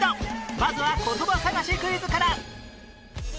まずはことば探しクイズから